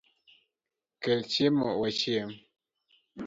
Kel chiemo wachiem